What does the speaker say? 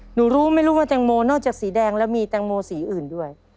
รู้ไม่รู้ว่าแตงโมนอกจากสีแดงแล้วมีแตงโมสีอื่นด้วย